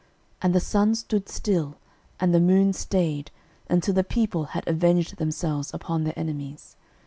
06:010:013 And the sun stood still, and the moon stayed, until the people had avenged themselves upon their enemies.